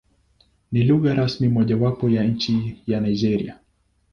Ni lugha rasmi mojawapo ya nchi ya Nigeria.